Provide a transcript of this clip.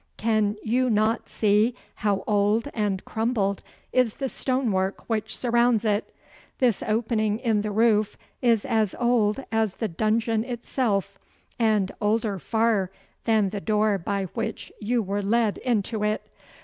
Can you not see how old and crumbled is the stone work which surrounds it? This opening in the roof is as old as the dungeon itself, and older far than the door by which you were led into it.